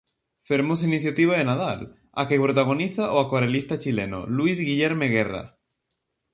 Fermosa iniciativa de Nadal a que protagoniza o acuarelista chileno, Luís Guillerme guerra.